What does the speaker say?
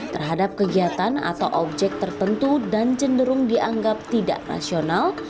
terhadap kegiatan atau objek tertentu dan cenderung dianggap tidak rasional